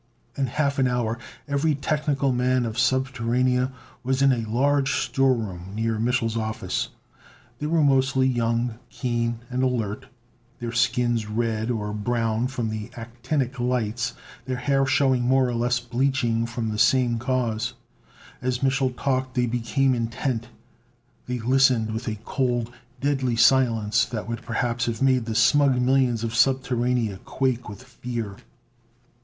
In half an hour every technical man of Subterranea was in a large storeroom near Mich'l's office. They were mostly young, keen and alert, their skins red or brown from the actinic lights, their hair showing more or less bleaching from the same cause. As Mich'l talked they became intent: they listened with a cold, deadly silence that would perhaps have made the smug millions of Subterranea quake with fear.